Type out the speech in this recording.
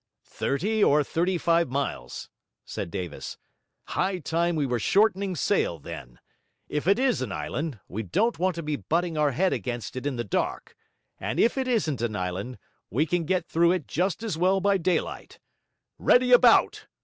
'Thirty or thirty five miles,' said Davis. 'High time we were shortening sail, then. If it is an island, we don't want to be butting our head against it in the dark; and if it isn't an island, we can get through it just as well by daylight. Ready about!'